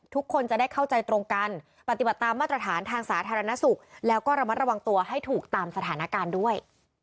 ทุกคนจะได้เข้าใจตรงกันปฏิบัติตามมาตรฐานทางสาธารณสุขแล้วก็ระมัดระวังตัวให้ถูกตามสถานการณ์ด้วย